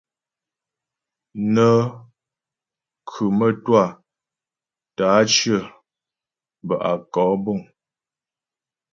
Nə́ khʉ mə́twâ tə́ á cyə bə́ á kɔ'ɔ buŋ.